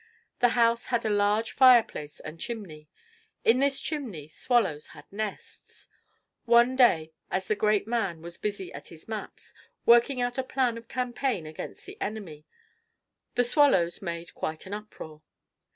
The house had a large fireplace and chimney; in this chimney, swallows had nests. One day, as the great man was busy at his maps, working out a plan of campaign against the enemy, the swallows made quite an uproar.